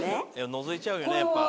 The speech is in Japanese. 覗いちゃうよねやっぱ。